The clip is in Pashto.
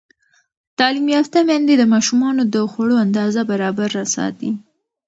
تعلیم یافته میندې د ماشومانو د خوړو اندازه برابره ساتي.